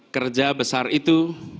kerja besar itu